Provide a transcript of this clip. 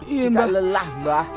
kita lelah mbah